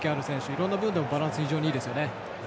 いろんな部分でのバランスが非常にいいですよね。